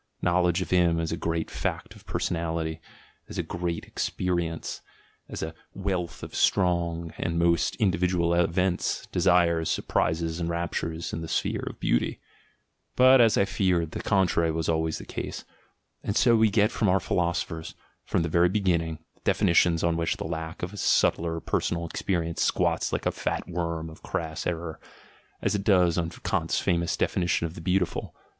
— Knowledge of him as a great fact of per sonality, as a great experience, as a wealth of strong and most individual events, desires, surprises, and raptures in the sphere of beauty! But, as I feared, the contrary was always the case. And so we get from our philosophers, from the very beginning, definitions on which the lack of a subtler personal experience squats like a fat worm of crass error, as it does on Kant's famous definition of the beautiful.